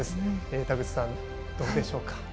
田口さん、どうでしょうか。